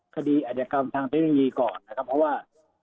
คดีอาจกรรมทางเทคโนโลยีก่อนนะครับเพราะว่า